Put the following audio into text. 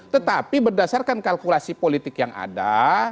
tetapi berdasarkan kalkulasi politik yang ada